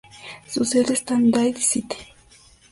Su sede está en Dade City.